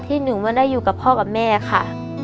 หนึ่งไม่ได้อยู่กับพ่อกับแม่ค่ะ